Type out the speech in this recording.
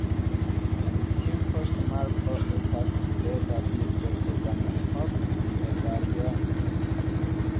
En tiu poŝtmarko estas videbla bildo de Zamenhof en medaliono.